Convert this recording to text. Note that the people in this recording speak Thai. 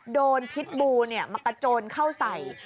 พิษบูมากระโจนเข้าใส่